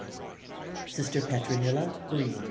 Sister Petronilla Breen.